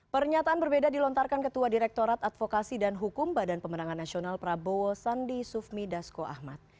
pernyataan berbeda dilontarkan ketua direktorat advokasi dan hukum badan pemenangan nasional prabowo sandi sufmi dasko ahmad